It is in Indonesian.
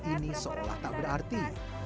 ini seolah olah tidak berarti